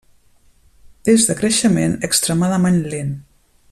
És de creixement extremadament lent.